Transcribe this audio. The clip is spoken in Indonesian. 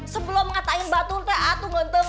sebelum ngatain batur teh atuh ngenteng